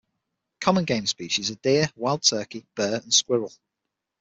Common game species are deer, wild turkey, bear, and squirrel.